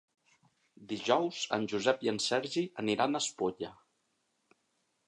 Dijous en Josep i en Sergi aniran a Espolla.